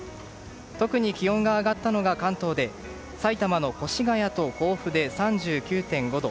特に気温が上がったのが関東で埼玉の越谷と甲府で３９．５度。